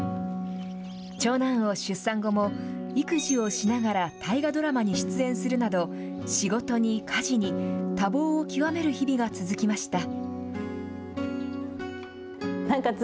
長男を出産後も、育児をしながら、大河ドラマに出演するなど、仕事に家事に多忙を極める日々が続きました。